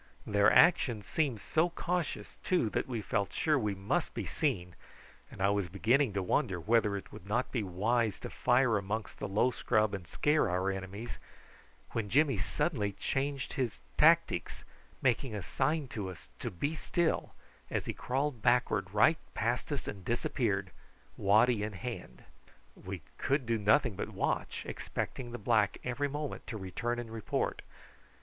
Their actions seemed so cautious, too, that we felt sure that we must be seen, and I was beginning to wonder whether it would not be wise to fire amongst the low scrub and scare our enemies, when Jimmy suddenly changed his tactics, making a sign to us to be still, as he crawled backwards right past us and disappeared, waddy in hand. We could do nothing but watch, expecting the black every moment to return and report.